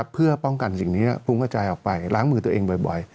เพื่อป้องกันสิ่งนี้พุงกระจายออกไปล้างมือตัวเองบ่อย